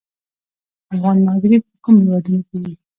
افغان مهاجرین په کومو هیوادونو کې دي؟